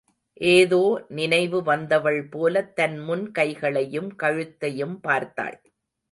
ஏதோ நினைவு வந்தவள்போலத் தன் முன் கைகளையும் கழுத்தையும் பார்த்தாள்.